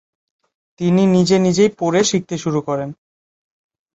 তিনি নিজে নিজেই পড়ে শিখতে শুরু করেন।